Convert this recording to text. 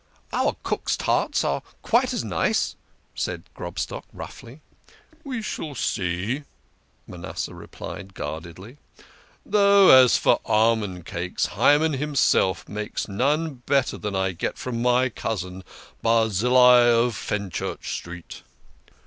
"Our cook's tarts are quite as nice," said Grobstock roughly. " We shall see," Manasseh replied guardedly. " Though, 48 THE KING OF SCHNORRERS. as for almond cakes, Hyman himself makes none better than I get from my cousin, Barzillai of Fenchurch Street."